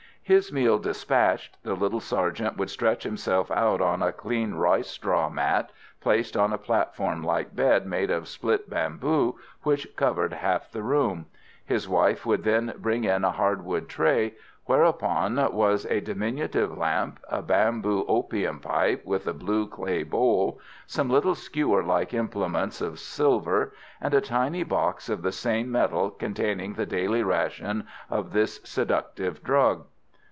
His meal despatched, the little sergeant would stretch himself out on a clean rice straw mat placed on a platform like bed made of split bamboo which covered half the room. His wife would then bring in a hardwood tray, whereon was a diminutive lamp, a bamboo opium pipe with a blue clay bowl, some little skewer like implements of silver, and a tiny box of the same metal containing the daily ration of this seductive drug.